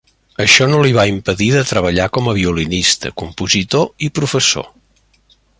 Això no li va impedir de treballar com a violinista, compositor i professor.